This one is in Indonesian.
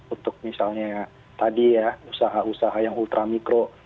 untuk misalnya tadi ya usaha usaha yang ultra mikro